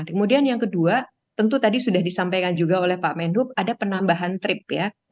kemudian yang kedua tentu tadi sudah disampaikan juga oleh pak menhub ada penambahan trip ya